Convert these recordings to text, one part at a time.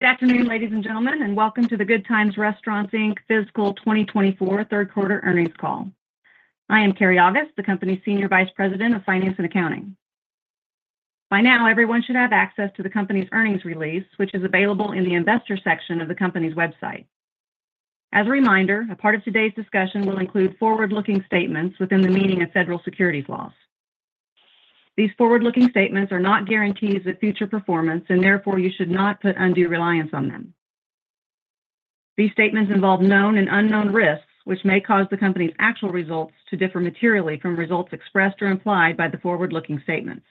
Good afternoon, ladies and gentlemen, and welcome to the Good Times Restaurants Inc. Fiscal 2024 Third Quarter Earnings Call. I am Keri August, the company's Senior Vice President of Finance and Accounting. By now, everyone should have access to the company's earnings release, which is available in the investor section of the company's website. As a reminder, a part of today's discussion will include forward-looking statements within the meaning of federal securities laws. These forward-looking statements are not guarantees of future performance, and therefore, you should not put undue reliance on them. These statements involve known and unknown risks, which may cause the company's actual results to differ materially from results expressed or implied by the forward-looking statements.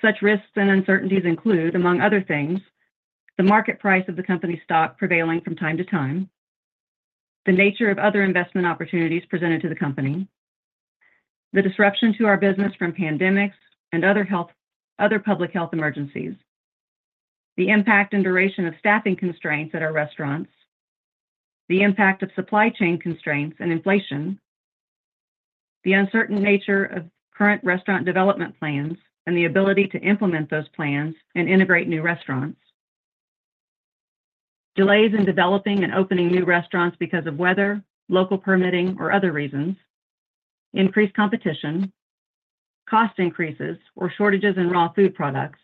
Such risks and uncertainties include, among other things, the market price of the company's stock prevailing from time to time, the nature of other investment opportunities presented to the company, the disruption to our business from pandemics and other public health emergencies, the impact and duration of staffing constraints at our restaurants, the impact of supply chain constraints and inflation, the uncertain nature of current restaurant development plans and the ability to implement those plans and integrate new restaurants, delays in developing and opening new restaurants because of weather, local permitting, or other reasons, increased competition, cost increases or shortages in raw food products,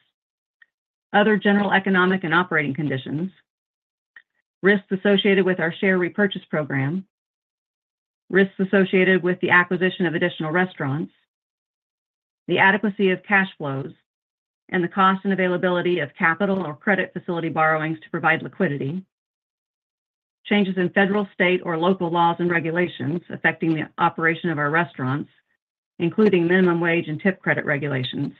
other general economic and operating conditions, risks associated with our share repurchase program, risks associated with the acquisition of additional restaurants, the adequacy of cash flows, and the cost and availability of capital or credit facility borrowings to provide liquidity, changes in federal, state, or local laws and regulations affecting the operation of our restaurants, including minimum wage and tip credit regulations,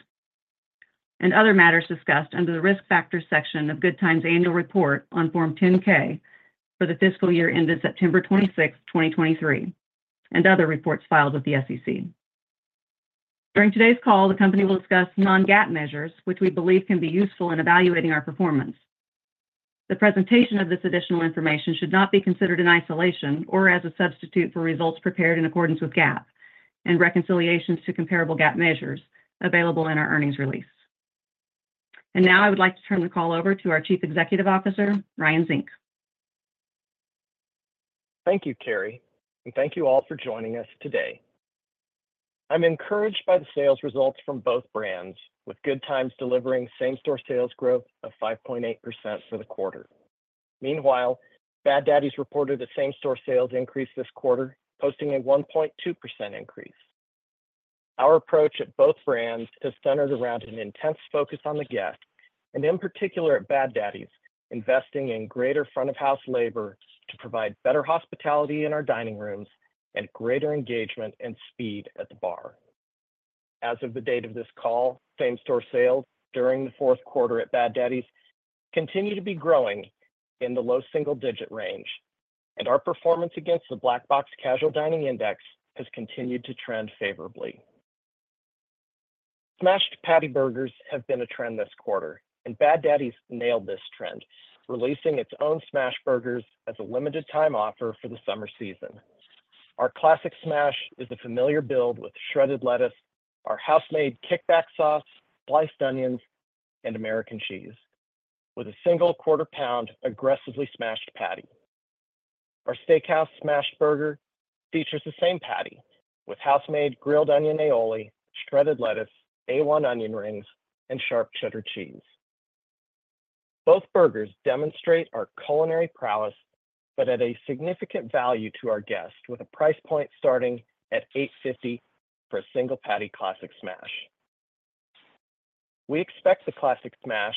and other matters discussed under the Risk Factors section of Good Times Annual Report on Form 10-K for the fiscal year ended September 26, 2023, and other reports filed with the SEC. During today's call, the company will discuss non-GAAP measures, which we believe can be useful in evaluating our performance. The presentation of this additional information should not be considered in isolation or as a substitute for results prepared in accordance with GAAP and reconciliations to comparable GAAP measures available in our earnings release. Now, I would like to turn the call over to our Chief Executive Officer, Ryan Zink. Thank you, Keri, and thank you all for joining us today. I'm encouraged by the sales results from both brands, with Good Times delivering same-store sales growth of 5.8% for the quarter. Meanwhile, Bad Daddy's reported a same-store sales increase this quarter, posting a 1.2% increase. Our approach at both brands has centered around an intense focus on the guest, and in particular at Bad Daddy's, investing in greater front of house labor to provide better hospitality in our dining rooms and greater engagement and speed at the bar. As of the date of this call, same-store sales during the fourth quarter at Bad Daddy's continue to be growing in the low single-digit range, and our performance against the Black Box Casual Dining Index has continued to trend favorably. Smashed patty burgers have been a trend this quarter, and Bad Daddy's nailed this trend, releasing its own smashed burgers as a limited time offer for the summer season. Our Classic Smash is a familiar build with shredded lettuce, our house-made Kickback Sauce, sliced onions, and American cheese with a single quarter-pound aggressively smashed patty. Our Steakhouse Smashed Burger features the same patty with house-made grilled onion aioli, shredded lettuce, A.1. onion rings, and sharp cheddar cheese. Both burgers demonstrate our culinary prowess, but at a significant value to our guests, with a price point starting at $8.50 for a single patty Classic Smash. We expect the Classic Smash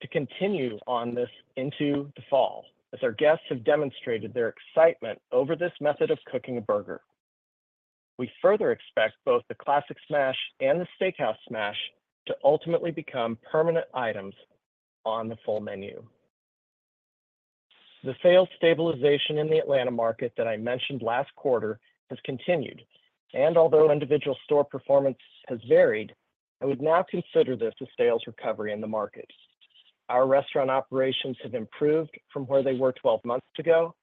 to continue on this into the fall, as our guests have demonstrated their excitement over this method of cooking a burger. We further expect both the Classic Smash and the Steakhouse Smash to ultimately become permanent items on the full menu. The sales stabilization in the Atlanta market that I mentioned last quarter has continued, and although individual store performance has varied, I would now consider this a sales recovery in the market. Our restaurant operations have improved from where they were 12 months ago,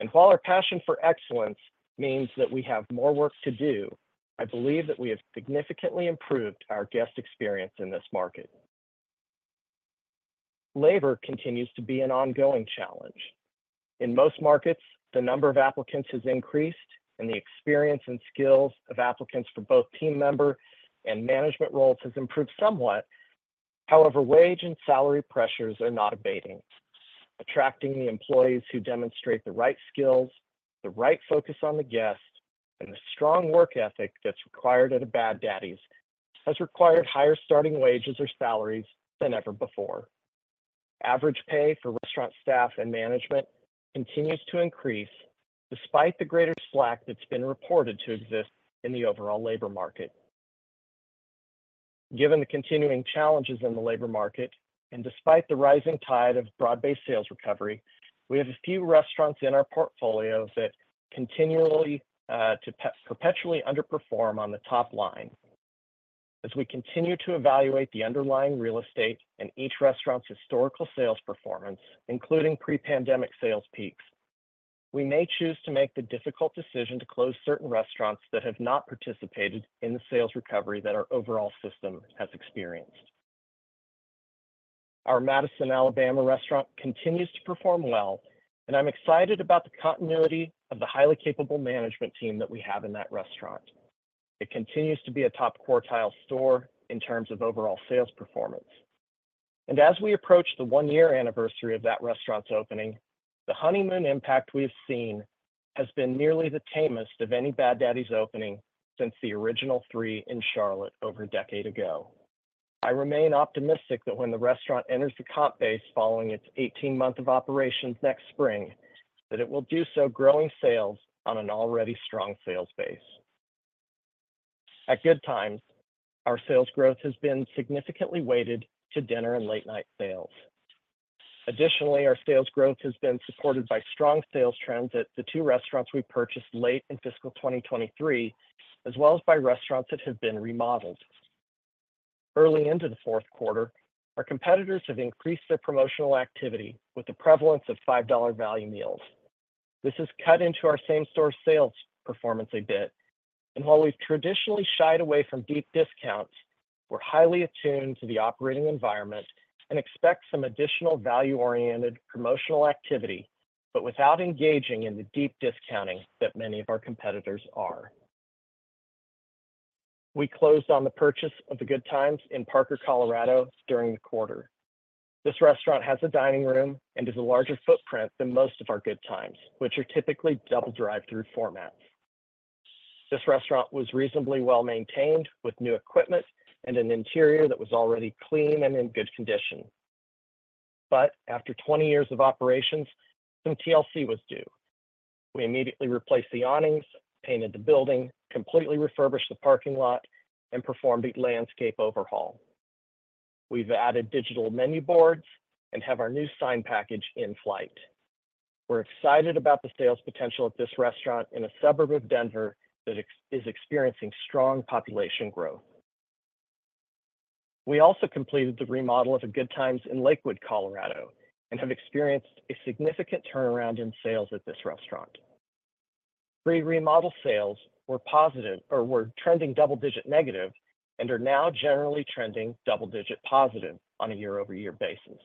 and while our passion for excellence means that we have more work to do, I believe that we have significantly improved our guest experience in this market. Labor continues to be an ongoing challenge. In most markets, the number of applicants has increased, and the experience and skills of applicants for both team member and management roles has improved somewhat. However, wage and salary pressures are not abating. Attracting the employees who demonstrate the right skills, the right focus on the guest, and a strong work ethic that's required at a Bad Daddy's has required higher starting wages or salaries than ever before. Average pay for restaurant staff and management continues to increase, despite the greater slack that's been reported to exist in the overall labor market. Given the continuing challenges in the labor market, and despite the rising tide of broad-based sales recovery, we have a few restaurants in our portfolio that continually to perpetually underperform on the top line. As we continue to evaluate the underlying real estate and each restaurant's historical sales performance, including pre-pandemic sales peaks. We may choose to make the difficult decision to close certain restaurants that have not participated in the sales recovery that our overall system has experienced. Our Madison, Alabama, restaurant continues to perform well, and I'm excited about the continuity of the highly capable management team that we have in that restaurant. It continues to be a top quartile store in terms of overall sales performance. As we approach the one-year anniversary of that restaurant's opening, the honeymoon impact we have seen has been nearly the tamest of any Bad Daddy's opening since the original three in Charlotte over a decade ago. I remain optimistic that when the restaurant enters the comp base, following its 18 months of operations next spring, that it will do so growing sales on an already strong sales base. At Good Times, our sales growth has been significantly weighted to dinner and late-night sales. Additionally, our sales growth has been supported by strong sales trends at the two restaurants we purchased late in fiscal 2023, as well as by restaurants that have been remodeled. Early into the fourth quarter, our competitors have increased their promotional activity with the prevalence of $5 value meals. This has cut into our same-store sales performance a bit, and while we've traditionally shied away from deep discounts, we're highly attuned to the operating environment and expect some additional value-oriented promotional activity, but without engaging in the deep discounting that many of our competitors are. We closed on the purchase of the Good Times in Parker, Colorado, during the quarter. This restaurant has a dining room and is a larger footprint than most of our Good Times, which are typically double drive-through formats. This restaurant was reasonably well-maintained, with new equipment and an interior that was already clean and in good condition. But after 20 years of operations, some TLC was due. We immediately replaced the awnings, painted the building, completely refurbished the parking lot, and performed a landscape overhaul. We've added digital menu boards and have our new sign package in flight. We're excited about the sales potential of this restaurant in a suburb of Denver that is experiencing strong population growth. We also completed the remodel of a Good Times in Lakewood, Colorado, and have experienced a significant turnaround in sales at this restaurant. Pre-remodel sales were positive or were trending double-digit negative and are now generally trending double-digit positive on a year-over-year basis.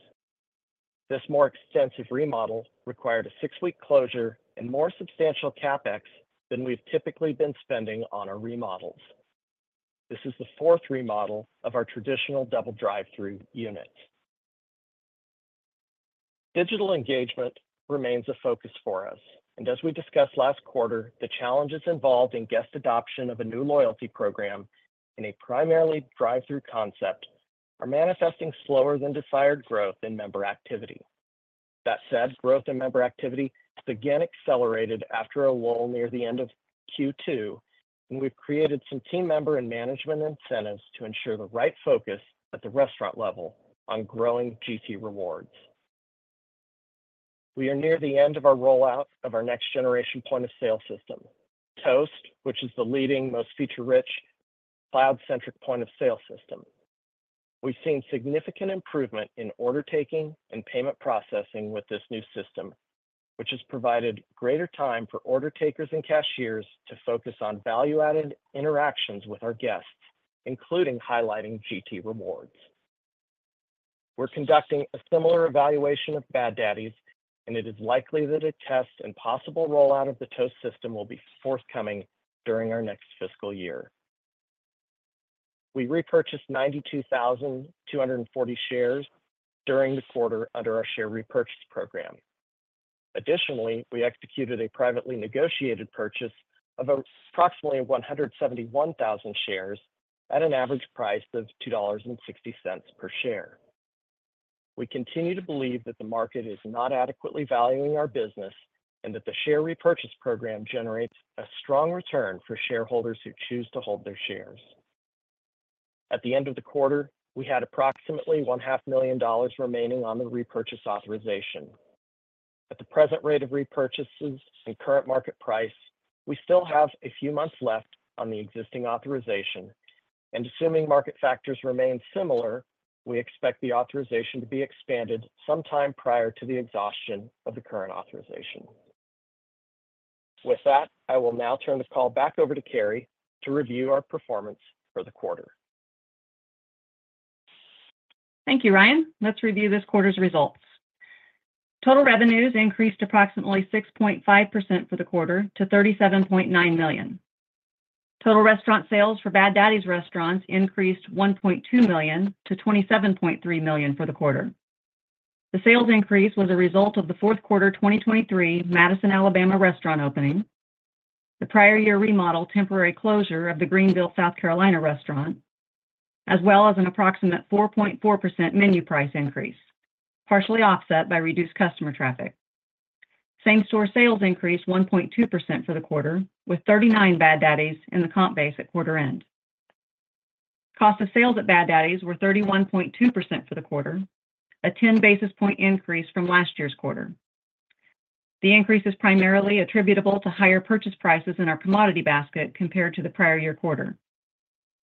This more extensive remodel required a six-week closure and more substantial CapEx than we've typically been spending on our remodels. This is the fourth remodel of our traditional double drive-through unit. Digital engagement remains a focus for us, and as we discussed last quarter, the challenges involved in guest adoption of a new loyalty program in a primarily drive-through concept are manifesting slower than desired growth in member activity. That said, growth in member activity has again accelerated after a lull near the end of Q2, and we've created some team member and management incentives to ensure the right focus at the restaurant level on growing GT Rewards. We are near the end of our rollout of our next-generation point-of-sale system, Toast, which is the leading, most feature-rich, cloud-centric point-of-sale system. We've seen significant improvement in order taking and payment processing with this new system, which has provided greater time for order takers and cashiers to focus on value-added interactions with our guests, including highlighting GT Rewards. We're conducting a similar evaluation of Bad Daddy's, and it is likely that a test and possible rollout of the Toast system will be forthcoming during our next fiscal year. We repurchased 92,200 shares during the quarter under our share repurchase program. Additionally, we executed a privately negotiated purchase of approximately 171,000 shares at an average price of $2.60 per share. We continue to believe that the market is not adequately valuing our business and that the share repurchase program generates a strong return for shareholders who choose to hold their shares. At the end of the quarter, we had approximately $500,000 remaining on the repurchase authorization. At the present rate of repurchases and current market price, we still have a few months left on the existing authorization, and assuming market factors remain similar, we expect the authorization to be expanded sometime prior to the exhaustion of the current authorization. With that, I will now turn the call back over to Keri to review our performance for the quarter. Thank you, Ryan. Let's review this quarter's results. Total revenues increased approximately 6.5% for the quarter to $37.9 million. Total restaurant sales for Bad Daddy's restaurants increased $1.2 million to $27.3 million for the quarter. The sales increase was a result of the fourth quarter 2023 Madison, Alabama, restaurant opening, the prior-year remodel temporary closure of the Greenville, South Carolina, restaurant, as well as an approximate 4.4% menu price increase, partially offset by reduced customer traffic. Same-store sales increased 1.2% for the quarter, with 39 Bad Daddy's in the comp base at quarter end. Cost of sales at Bad Daddy's were 31.2% for the quarter, a ten basis point increase from last year's quarter. The increase is primarily attributable to higher purchase prices in our commodity basket compared to the prior year quarter,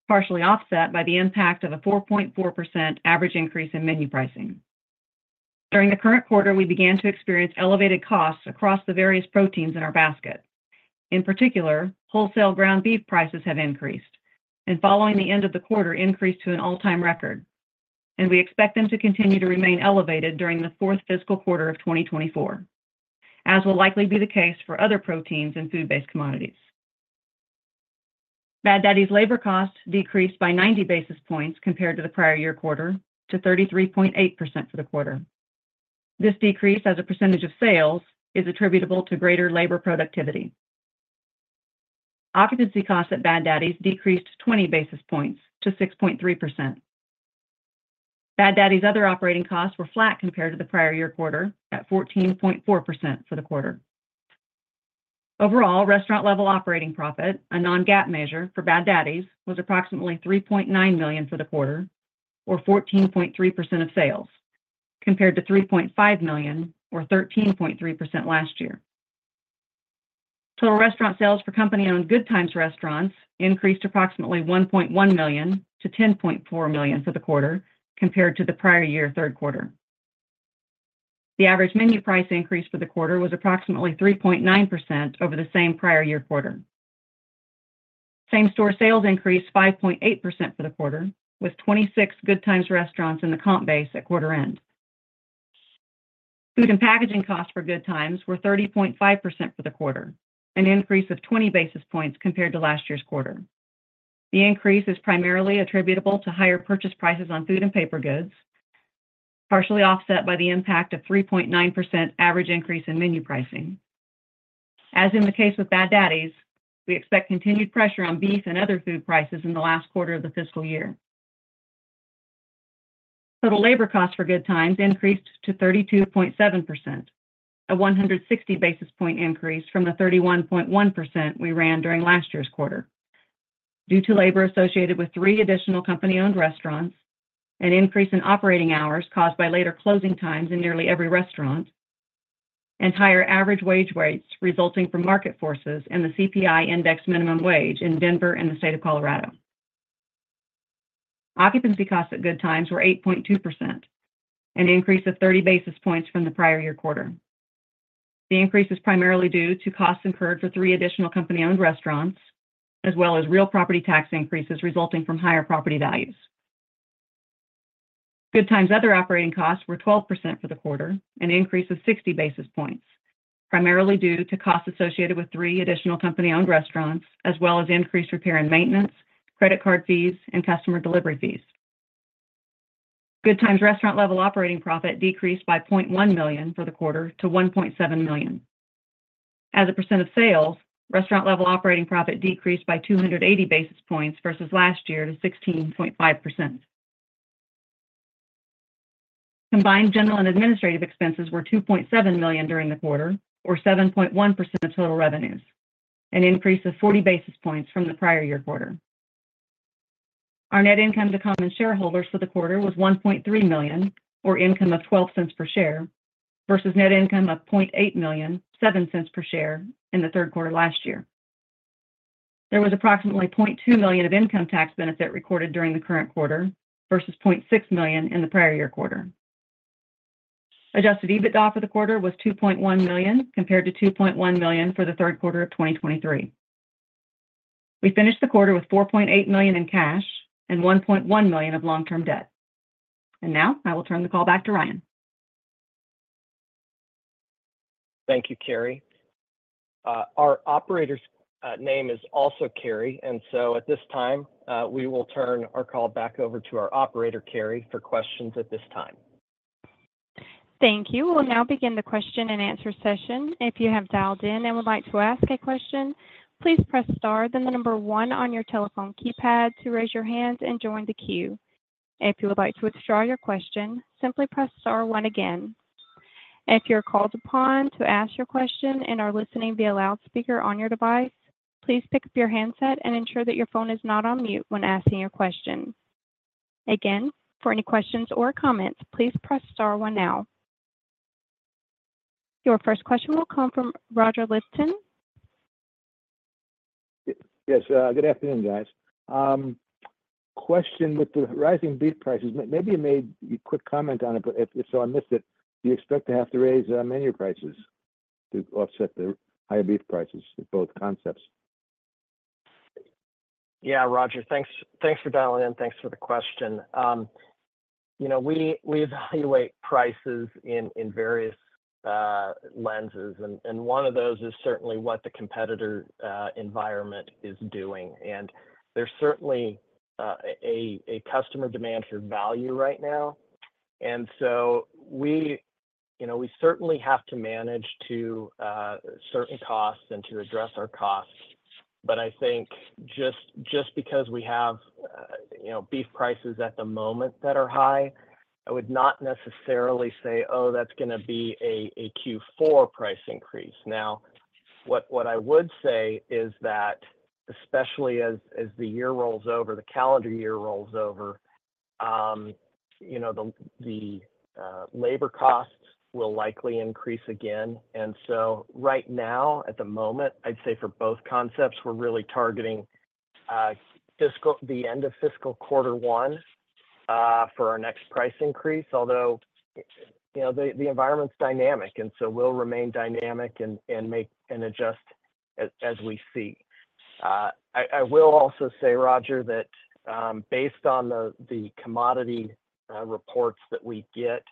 partially offset by the impact of a 4.4% average increase in menu pricing. During the current quarter, we began to experience elevated costs across the various proteins in our basket. In particular, wholesale ground beef prices have increased, and following the end of the quarter, increased to an all-time record. We expect them to continue to remain elevated during the fourth fiscal quarter of 2024, as will likely be the case for other proteins and food-based commodities. Bad Daddy's labor costs decreased by 90 basis points compared to the prior year quarter, to 33.8% for the quarter. This decrease, as a percentage of sales, is attributable to greater labor productivity. Occupancy costs at Bad Daddy's decreased 20 basis points to 6.3%. Bad Daddy's other operating costs were flat compared to the prior-year quarter, at 14.4% for the quarter. Overall, restaurant-level operating profit, a non-GAAP measure for Bad Daddy's, was approximately $3.9 million for the quarter, or 14.3% of sales, compared to $3.5 million, or 13.3% last year. Total restaurant sales for company-owned Good Times Restaurants increased approximately $1.1 million to $10.4 million for the quarter, compared to the prior-year third quarter. The average menu price increase for the quarter was approximately 3.9% over the same prior-year quarter. Same-store sales increased 5.8% for the quarter, with 26 Good Times Restaurants in the comp base at quarter end. Food and packaging costs for Good Times were 30.5% for the quarter, an increase of 20 basis points compared to last year's quarter. The increase is primarily attributable to higher purchase prices on food and paper goods, partially offset by the impact of 3.9% average increase in menu pricing. As in the case with Bad Daddy's, we expect continued pressure on beef and other food prices in the last quarter of the fiscal year. Total labor costs for Good Times increased to 32.7%, a 160 basis point increase from the 31.1% we ran during last year's quarter, due to labor associated with three additional company-owned restaurants, an increase in operating hours caused by later closing times in nearly every restaurant, and higher average wage rates resulting from market forces and the CPI index minimum wage in Denver and the state of Colorado. Occupancy costs at Good Times were 8.2%, an increase of 30 basis points from the prior year quarter. The increase is primarily due to costs incurred for three additional company-owned restaurants, as well as real property tax increases resulting from higher property values. Good Times' other operating costs were 12% for the quarter, an increase of 60 basis points, primarily due to costs associated with three additional company-owned restaurants, as well as increased repair and maintenance, credit card fees, and customer delivery fees. Good Times' restaurant-level operating profit decreased by $0.1 million for the quarter to $1.7 million. As a percent of sales, restaurant-level operating profit decreased by 280 basis points versus last year to 16.5%. Combined general and administrative expenses were $2.7 million during the quarter, or 7.1% of total revenues, an increase of 40 basis points from the prior year quarter. Our net income to common shareholders for the quarter was $1.3 million, or income of $0.12 per share, versus net income of $0.8 million, $0.07 per share in the third quarter last year. There was approximately $0.2 million of income tax benefit recorded during the current quarter versus $0.6 million in the prior year quarter. Adjusted EBITDA for the quarter was $2.1 million, compared to $2.1 million for the third quarter of 2023. We finished the quarter with $4.8 million in cash and $1.1 million of long-term debt. Now, I will turn the call back to Ryan. Thank you, Keri. Our operator's name is also Carrie, and so at this time, we will turn our call back over to our operator, Carrie, for questions at this time. Thank you. We'll now begin the question and answer session. If you have dialed in and would like to ask a question, please press star, then the number one on your telephone keypad to raise your hand and join the queue. If you would like to withdraw your question, simply press star one again. If you're called upon to ask your question and are listening via loudspeaker on your device, please pick up your handset and ensure that your phone is not on mute when asking your question. Again, for any questions or comments, please press star one now. Your first question will come from Roger Lipton. Yes, good afternoon, guys. Question with the rising beef prices, maybe you made a quick comment on it, but if so, I missed it. Do you expect to have to raise menu prices to offset the higher beef prices for both concepts? Yeah, Roger, thanks, thanks for dialing in. Thanks for the question. You know, we evaluate prices in various lenses, and one of those is certainly what the competitor environment is doing. And there's certainly a customer demand for value right now. And so we, you know, we certainly have to manage to certain costs and to address our costs. But I think just because we have, you know, beef prices at the moment that are high, I would not necessarily say, "Oh, that's gonna be a Q4 price increase." Now, what I would say is that, especially as the year rolls over, the calendar year rolls over... You know, the labor costs will likely increase again. And so right now, at the moment, I'd say for both concepts, we're really targeting the end of fiscal quarter one for our next price increase. Although, you know, the environment's dynamic, and so we'll remain dynamic and adjust as we see. I will also say, Roger, that based on the commodity reports that we get,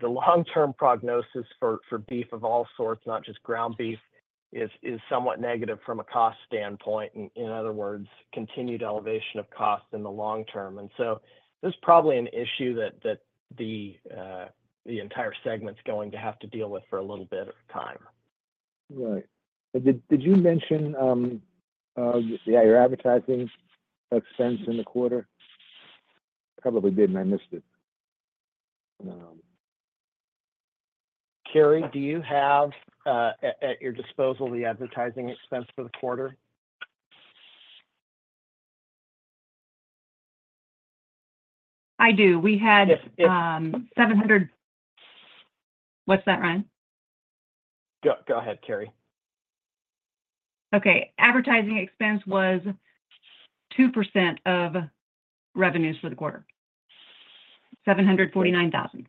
the long-term prognosis for beef of all sorts, not just ground beef, is somewhat negative from a cost standpoint. In other words, continued elevation of costs in the long term. And so this is probably an issue that the entire segment's going to have to deal with for a little bit of time. Right. Did you mention yeah, your advertising expense in the quarter? Probably did, and I missed it. Carrie, do you have at your disposal the advertising expense for the quarter? I do. We had- If, if- 700... What's that, Ryan? Go, go ahead, Keri. Okay. Advertising expense was 2% of revenues for the quarter, $749,000.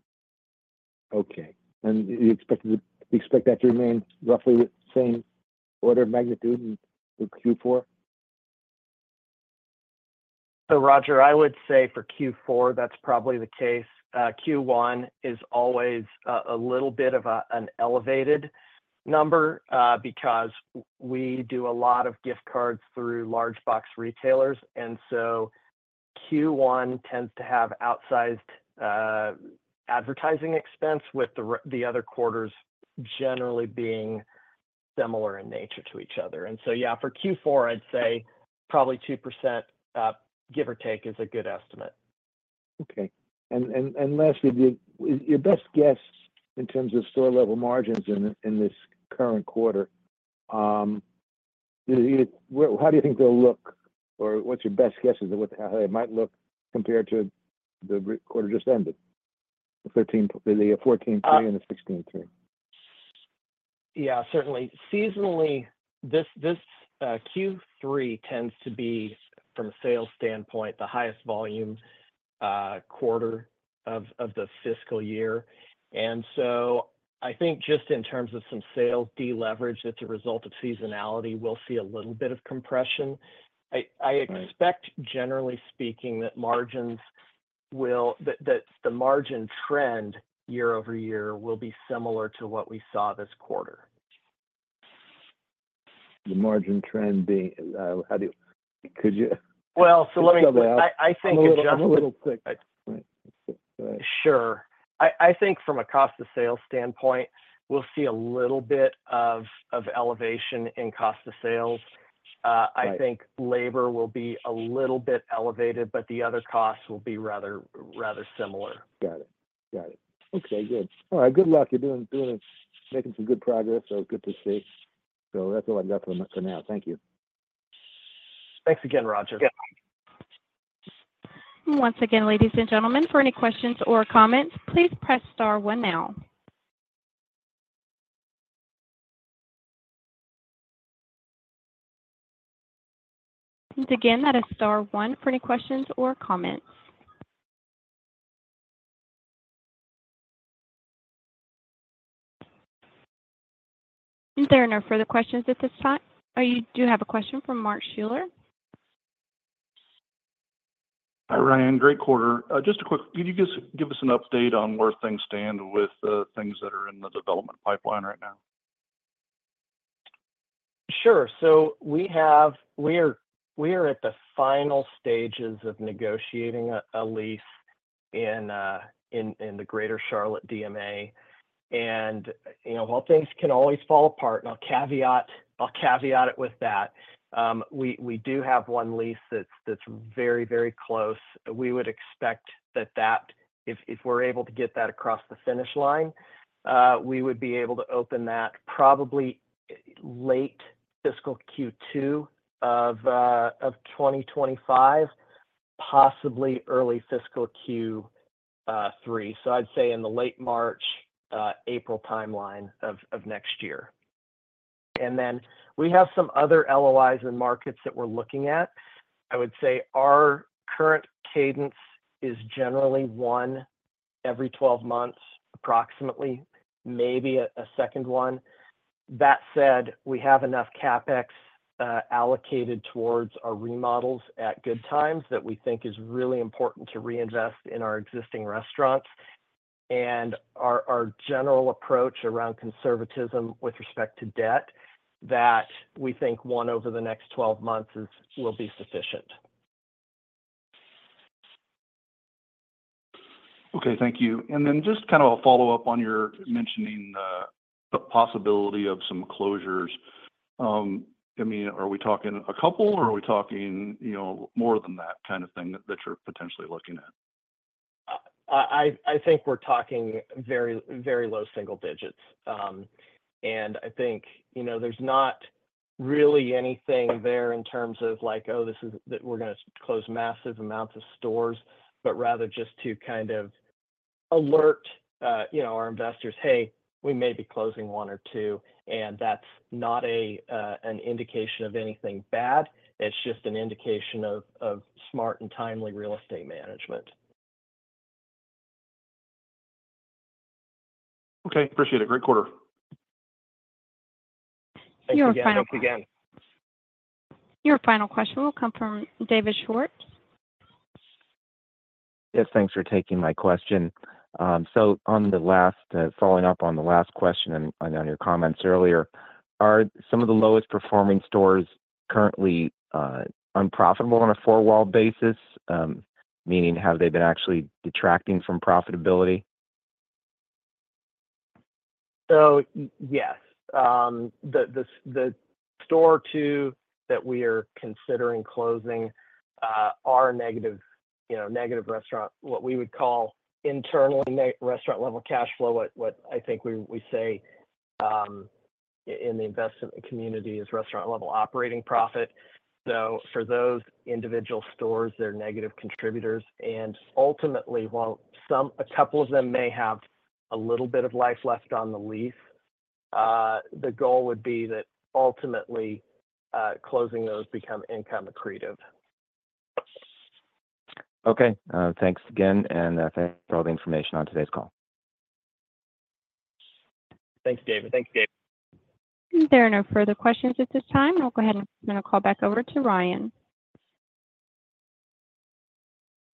Okay. And you expect it to- you expect that to remain roughly the same order of magnitude in, in Q4? So Roger, I would say for Q4, that's probably the case. Q1 is always a little bit of an elevated number because we do a lot of gift cards through large box retailers. And so Q1 tends to have outsized advertising expense, with the other quarters generally being similar in nature to each other. And so, yeah, for Q4, I'd say probably 2%, give or take, is a good estimate. Okay. And lastly, your best guess in terms of store-level margins in this current quarter, well, how do you think they'll look? Or what's your best guess as to how they might look compared to the quarter just ended, the 13, the 14-3 and the 16-3? Yeah, certainly. Seasonally, this Q3 tends to be, from a sales standpoint, the highest volume quarter of the fiscal year. And so I think just in terms of some sales deleverage that's a result of seasonality, we'll see a little bit of compression. I, I- Right... expect, generally speaking, that the margin trend year-over-year will be similar to what we saw this quarter. The margin trend being, how do you... Could you- Well, so let me- Double out. I think just- I'm a little thick. Right. Sure. I think from a cost of sales standpoint, we'll see a little bit of elevation in cost of sales. Right... I think labor will be a little bit elevated, but the other costs will be rather, rather similar. Got it. Got it. Okay, good. All right, good luck. You're doing making some good progress, so good to see. So that's all I got for now. Thank you. Thanks again, Roger. Yeah. Once again, ladies and gentlemen, for any questions or comments, please press star one now. And again, that is star one for any questions or comments. There are no further questions at this time. Oh, you do have a question from Mark Schuler? Hi, Ryan. Great quarter. Just a quick, could you just give us an update on where things stand with things that are in the development pipeline right now? Sure. So we are at the final stages of negotiating a lease in the Greater Charlotte DMA. And, you know, while things can always fall apart, and I'll caveat it with that, we do have one lease that's very close. We would expect that if we're able to get that across the finish line, we would be able to open that probably late fiscal Q2 of 2025, possibly early fiscal Q3. So I'd say in the late March-April timeline of next year. And then we have some other LOIs in markets that we're looking at. I would say our current cadence is generally one every 12 months, approximately, maybe a second one. That said, we have enough CapEx allocated towards our remodels at Good Times that we think is really important to reinvest in our existing restaurants. And our general approach around conservatism with respect to debt, that we think one over the next 12 months will be sufficient. Okay. Thank you. And then just kind of a follow-up on your mentioning the possibility of some closures. I mean, are we talking a couple, or are we talking, you know, more than that kind of thing that you're potentially looking at?... I think we're talking very, very low single digits. And I think, you know, there's not really anything there in terms of like, oh, this is that we're gonna close massive amounts of stores, but rather just to kind of alert, you know, our investors, "Hey, we may be closing one or two," and that's not an indication of anything bad. It's just an indication of smart and timely real estate management. Okay, appreciate it. Great quarter. Thanks again. Your final- Thanks again. Your final question will come from David Schwartz. Yes, thanks for taking my question. So on the last, following up on the last question and on your comments earlier, are some of the lowest performing stores currently unprofitable on a four-wall basis? Meaning, have they been actually detracting from profitability? So yes. The store or two that we are considering closing are negative, you know, negative restaurant, what we would call internally, restaurant-level cash flow. What I think we say in the investment community is restaurant-level operating profit. So for those individual stores, they're negative contributors, and ultimately, while some, a couple of them may have a little bit of life left on the lease, the goal would be that ultimately, closing those become income accretive. Okay, thanks again, and thanks for all the information on today's call. Thanks, David. Thanks, David. There are no further questions at this time. I'll go ahead and turn the call back over to Ryan.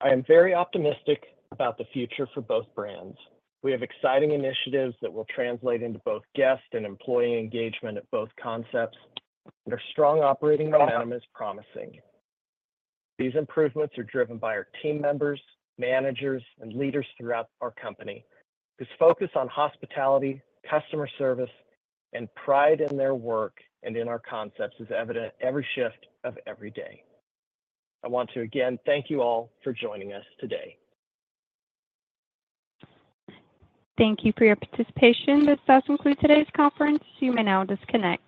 I am very optimistic about the future for both brands. We have exciting initiatives that will translate into both guest and employee engagement at both concepts, and our strong operating momentum is promising. These improvements are driven by our team members, managers, and leaders throughout our company, whose focus on hospitality, customer service, and pride in their work and in our concepts is evident every shift of every day. I want to again thank you all for joining us today. Thank you for your participation. This does conclude today's conference. You may now disconnect.